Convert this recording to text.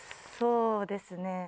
そうですね。